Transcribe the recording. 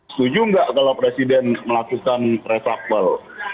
setuju nggak kalau presiden melakukan resapel